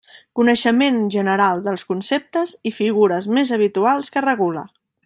Coneixement general dels conceptes i figures més habituals que regula.